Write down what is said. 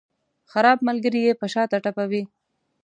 خراب ملګري یې په شاته ټپوي.